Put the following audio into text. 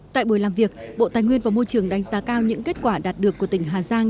tại buổi làm việc bộ tài nguyên và môi trường đánh giá cao những kết quả đạt được của tỉnh hà giang